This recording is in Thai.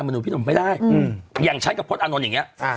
ใบมนุษย์พี่หนุ่มไม่ได้อืมอย่างชั้นก็พ้นอาลินอย่างเงี้ยอ่า